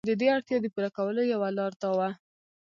د دې اړتیا د پوره کولو یوه لار دا وه.